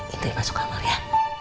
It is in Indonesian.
itu masuk kamar ya